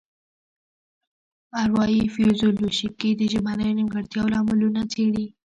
اروايي فزیولوژي د ژبنیو نیمګړتیاوو لاملونه څیړي